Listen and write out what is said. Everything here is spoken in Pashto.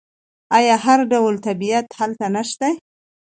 آیا هر ډول طبیعت هلته نشته؟